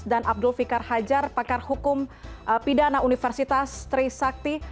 dan abdul fikar hajar pakar hukum pidana universitas trisakti